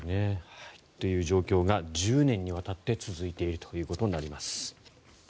という状況が１０年にわたって続いているということになります。